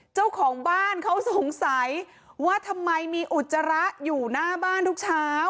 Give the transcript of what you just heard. เจ้าของบ้านเขาสงสัยว่าทำไมมีอุจจาระอยู่หน้าบ้านทุกเช้า